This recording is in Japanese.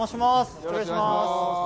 よろしくお願いします。